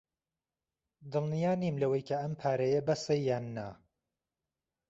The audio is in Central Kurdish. دڵنیا نیم لەوەی کە ئەم پارەیە بەسە یان نا.